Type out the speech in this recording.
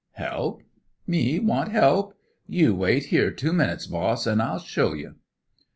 "Help! Me want help! You wait here two minutes, boss, an' I'll show you."